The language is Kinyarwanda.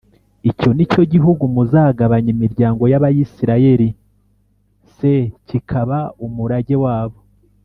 Icyo ni cyo gihugu muzagabanya imiryango y Abisirayeli c kikaba umurage wabo